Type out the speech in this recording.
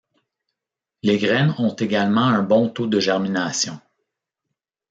Les graines ont également un bon taux de germination.